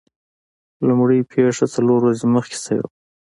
لومړۍ پیښه څلور ورځې مخکې شوې وه.